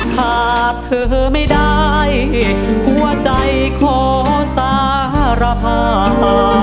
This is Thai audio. หากเธอไม่ได้หัวใจขอสารภาพ